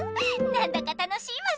なんだか楽しいわね。